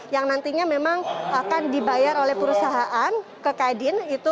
yang nantinya memang akan dibayar oleh perusahaan ke kadin